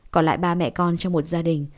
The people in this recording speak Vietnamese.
còn lại ba mẹ con trong một gia đình